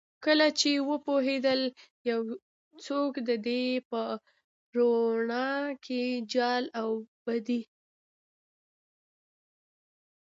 کله چې وپوهیدل یو څوک د دې په روڼا کې جال اوبدي